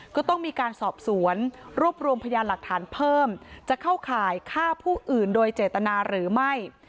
ก็ต้องมีการสอบสวนรวบรวมพยานหลักฐานเพิ่มจะเข้าข่ายฆ่าผู้อื่นโดยเจตนาหรือไม่